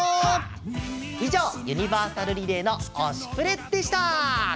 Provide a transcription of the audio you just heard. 以上、ユニバーサルリレーの「推しプレ！」でした。